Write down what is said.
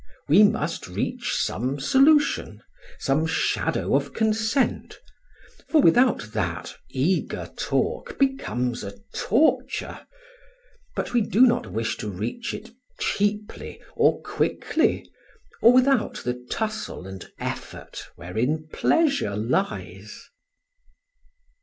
We must reach some solution, some shadow of consent; for without that, eager talk becomes a torture. But we do not wish to reach it cheaply, or quickly, or without the tussle and effort wherein pleasure lies.